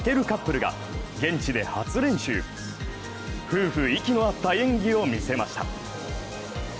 カップルが現地で初練習、夫婦息の合った演技を見せました。